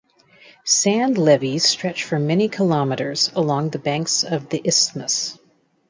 Sand levees stretch for many kilometers along the banks of the isthmus.